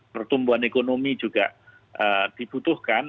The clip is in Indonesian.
pertumbuhan ekonomi juga dibutuhkan